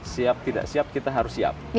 siap tidak siap kita harus siap